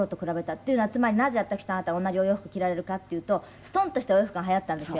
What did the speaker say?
っていうのはつまりなぜ私とあなたが同じお洋服着られるかっていうとストンとしたお洋服が流行ったんですよ